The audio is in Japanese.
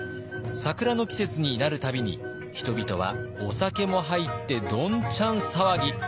桜の季節になる度に人々はお酒も入ってどんちゃん騒ぎ。